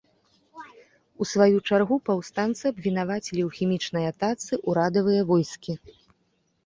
У сваю чаргу, паўстанцы абвінавацілі ў хімічнай атацы ўрадавыя войскі.